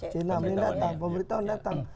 c enam yang datang pemberitahuan datang